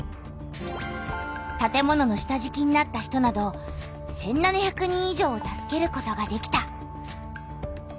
たて物の下じきになった人など１７００人以上を助けることができた。